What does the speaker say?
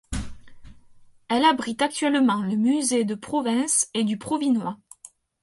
Elle abrite actuellement le musée de Provins et du Provinois.